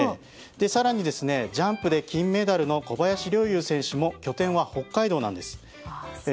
更に、ジャンプで金メダルの小林陵侑選手も拠点は北海道なんです。